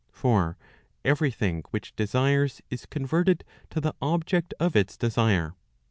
For every thing: which desires is converted to the object of its desire.